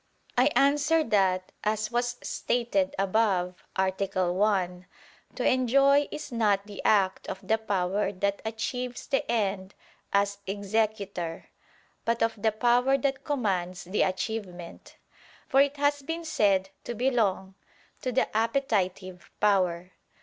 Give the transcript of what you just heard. I answer that, As was stated above (A. 1) to enjoy is not the act of the power that achieves the end as executor, but of the power that commands the achievement; for it has been said to belong to the appetitive power.